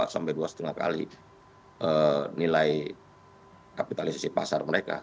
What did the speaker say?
sampai dua lima kali nilai kapitalisasi pasar mereka